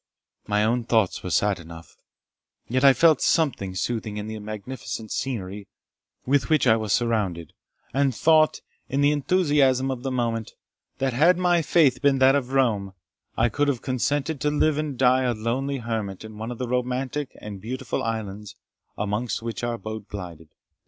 My own thoughts were sad enough; yet I felt something soothing in the magnificent scenery with which I was surrounded; and thought, in the enthusiasm of the moment, that had my faith been that of Rome, I could have consented to live and die a lonely hermit in one of the romantic and beautiful islands amongst which our boat glided.